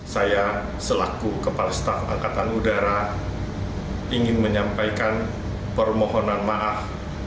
saya selaku kepala staf angkatan udara ingin menyampaikan permohonan maaf